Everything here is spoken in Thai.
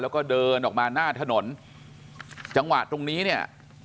แล้วก็เดินออกมาหน้าถนนจังหวะตรงนี้เนี่ย